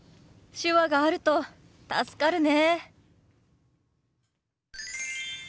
手話があると助かるね。